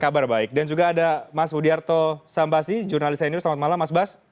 kabar baik dan juga ada mas budiarto sambasi jurnalis senior selamat malam mas bas